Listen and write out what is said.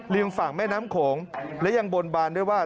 ฝั่งแม่น้ำโขงและยังบนบานด้วยว่า